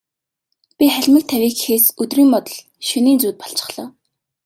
Би халимаг тавья гэхээс өдрийн бодол, шөнийн зүүд болчихлоо.